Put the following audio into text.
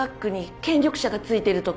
権力者がついてるとか？